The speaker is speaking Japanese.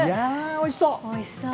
おいしそう。